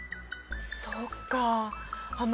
そっかあ。